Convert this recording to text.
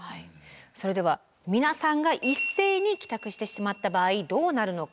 それでは皆さんが一斉に帰宅してしまった場合どうなるのか。